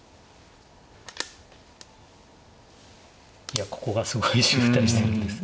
いやここがすごい渋滞してるんです。